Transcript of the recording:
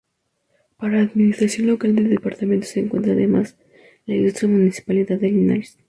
Para la administración local del departamento se encuentra, además, la Ilustre Municipalidad de Linares.